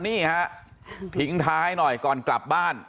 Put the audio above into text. นี่ฮะทิ้งท้ายหน่อยก่อนกลับบ้าน